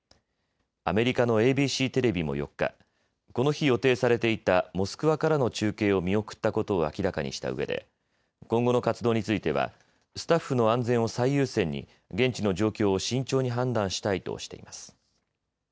アメリカのＡＢＣテレビも４日、この日予定されていたモスクワからの中継を見送ったことを明らかにしたうえで今後の活動についてはスタッフの安全を最優先に現地の状況を慎重に判断したいとしています。